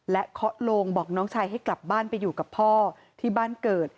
เคาะโลงบอกน้องชายให้กลับบ้านไปอยู่กับพ่อที่บ้านเกิด